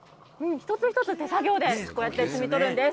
一つ一つ、手作業でこうやって摘み取るんです。